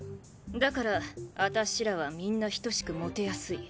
だからあたしらはみんな等しくモテやすい。